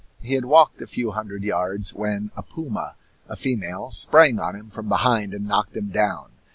He had walked a few hundred yards, when a puma, a female, sprang on him from behind and knocked him down.